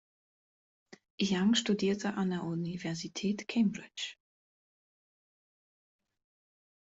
Young studierte an der Universität Cambridge.